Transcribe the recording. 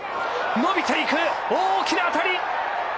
伸びていく、大きな当たり。